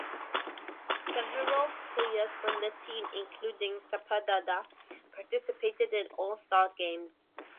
Several players from the team, including Cepeda, participated in the All-Star Games.